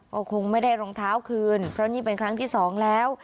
ก็คงไม่ได้รองเท้าคืนเพราะนี่เป็นครั้งที่สองแล้ว